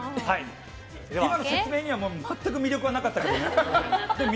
今の説明には全く魅力はなかったけどね。